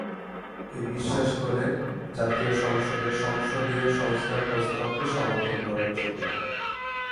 এই বিশ্বাস করে জাতীয় সংসদে সংসদীয় সংস্কার প্রস্তাবকে সমর্থন করার জন্য।